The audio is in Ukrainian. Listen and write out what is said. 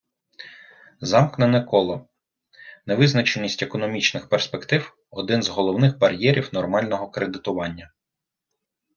Замкнене коло Невизначеність економічних перспектив — один з головних бар'єрів нормального кредитування.